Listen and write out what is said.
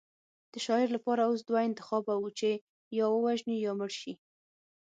د شاعر لپاره اوس دوه انتخابه وو چې یا ووژني یا مړ شي